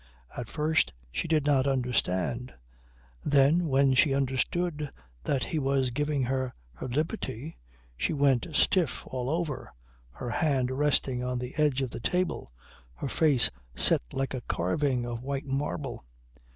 At first she did not understand. Then when she understood that he was giving her her liberty she went stiff all over, her hand resting on the edge of the table, her face set like a carving of white marble.